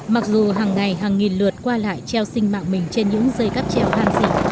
mặc dù hàng ngày hàng nghìn lượt qua lại treo sinh mạng mình trên những dây cắp treo ham rẻo